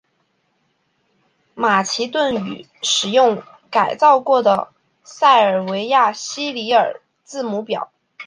马其顿语使用改造过的塞尔维亚西里尔字母表。